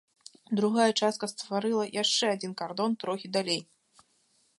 Другая частка стварыла яшчэ адзін кардон трохі далей.